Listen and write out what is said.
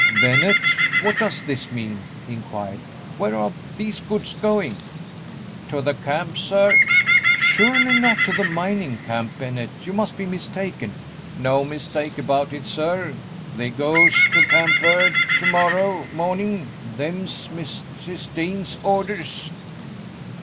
"Bennett, what does this mean?" he inquired. "Where are these goods going?" "To the camp, sir." "Surely not to the mining camp, Bennett; you must be mistaken." "No mistake about it, sir; they goes to Camp Bird to morrow morning; them's Mrs. Dean's orders."